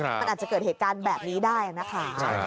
มันอาจจะเกิดเหตุการณ์แบบนี้ได้นะคะ